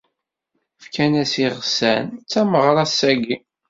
Fkan-as iɣsan, d tameɣra ass-agi.